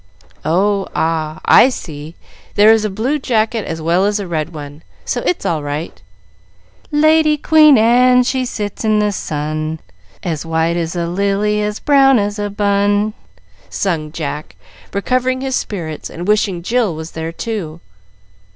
"Oh, ah! I see! There is a blue jacket as well as a red one, so it's all right. "Lady Queen Anne, she sits in the sun, As white as a lily, as brown as a bun," sung Jack, recovering his spirits, and wishing Jill was there too.